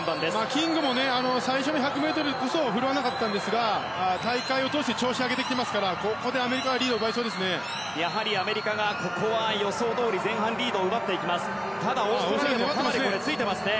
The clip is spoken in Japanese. キングも最初の１００ｍこそ振るわなかったんですが大会を通して調子を上げてきていますからここでアメリカがリードを奪いそうですね。